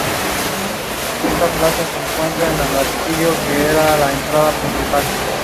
The river freezes to the bottom between October and late April or early May.